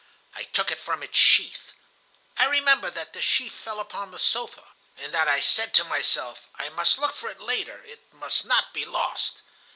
I took it from its sheath. I remember that the sheath fell upon the sofa, and that I said to myself: 'I must look for it later; it must not be lost.